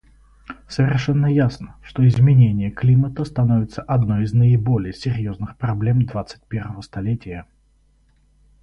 Совершенно ясно, что изменение климата становится одной из наиболее серьезных проблем двадцать первого столетия.